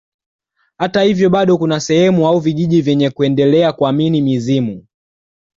Hata hivyo bado kuna sehemu au vijiji vyenye kuendelea kuamini mizimu